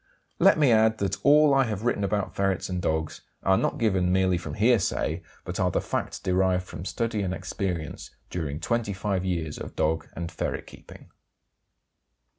Let me add that all I have written about ferrets and dogs are not given merely from hearsay, but are the facts derived from study and experience during 25 years of dog and ferret keeping.